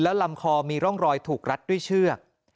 ลำคอมีร่องรอยถูกรัดด้วยเชือก